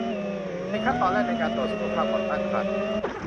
เป็นขั้นตอนแรกในการตรวจสุขภาพก่อนตั้งครรภ์